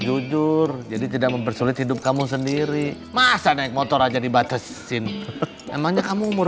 jujur jadi tidak mempersulit hidup kamu sendiri masa naik motor aja dibatasin emangnya kamu umur